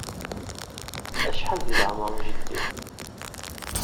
Acḥal deg leɛmeṛ n jeddi-m?